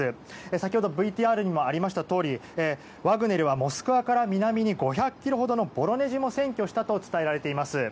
先ほどＶＴＲにもありましたとおりワグネルはモスクワから南に５００ｋｍほどのボロネジも占拠したと伝えられています。